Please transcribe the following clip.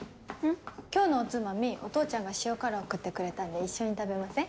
今日のおつまみお父ちゃんが塩辛送ってくれたんで一緒に食べません？